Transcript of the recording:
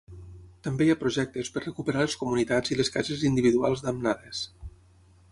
També hi ha projectes per recuperar les comunitats i les cases individuals damnades.